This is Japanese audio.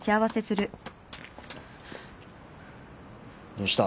どうした？